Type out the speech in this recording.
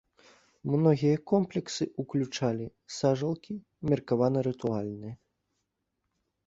Многія комплексы ўключалі сажалкі, меркавана рытуальныя.